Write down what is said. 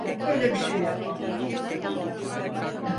Öyle bir şey yapmam.